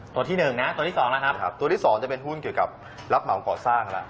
ตัวที่หนึ่งนะตัวที่๒นะครับตัวที่๒จะเป็นหุ้นเกี่ยวกับรับเหมาก่อสร้างแล้ว